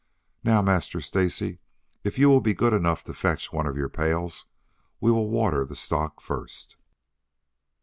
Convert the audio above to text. "Now, Master Stacy, if you will be good enough to fetch one of your pails we will water the stock first."